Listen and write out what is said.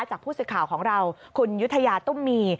จากผู้สื่อข่าวของเราคุณยุธยาตุ้มมี